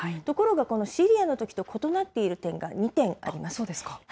ところがこのシリアのときと異なっている点が２点あります。